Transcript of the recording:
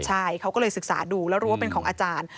ใช่เขาก็เลยศึกษาดูแล้วรู้ว่าเป็นของอาจารย์